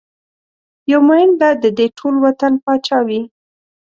یو ميېن به ددې ټول وطن پاچا وي